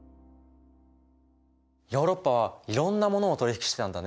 ヨーロッパはいろんなものを取り引きしてたんだね。